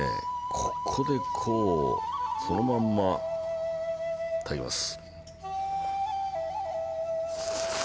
ここでこうそのまんまいただきます。